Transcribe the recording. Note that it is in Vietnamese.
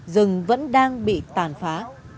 rừng vẫn đang bị tàn phá